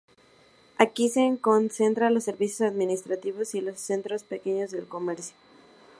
Aquí se concentra los servicios administrativos y el centro del pequeño comercio.